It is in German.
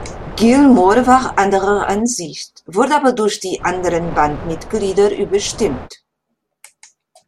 Gilmour war anderer Ansicht, wurde aber durch die anderen Bandmitglieder überstimmt.